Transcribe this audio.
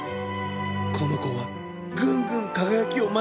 このこはぐんぐんかがやきをましていったの。